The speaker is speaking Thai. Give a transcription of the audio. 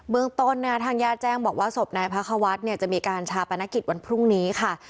เมืองต้นทางญาติแจ้งบอกว่าศพนายพระควัฒน์เนี่ยจะมีการชาปนกิจวันพรุ่งนี้ค่ะ